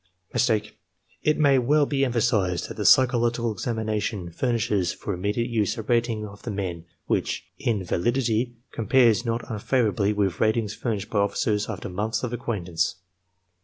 It may well be emphasized that the psychological examination furnishes for inunediate use a rating of the men which in validity compares not unfavorably with ratings furnished by officers after months «of acquaintance.